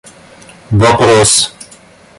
вопрос